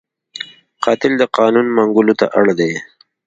قاتل د قانون منګولو ته اړ دی